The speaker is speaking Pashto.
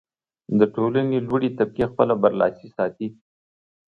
د ټولنې لوړې طبقې خپله برلاسي ساتي.